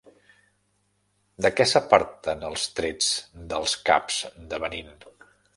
De què s'aparten els trets dels caps de Benín?